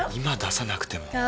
今出さなくても。